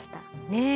ねえ。